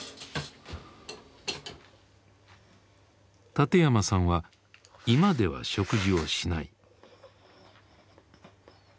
館山さんは居間では食事をしない。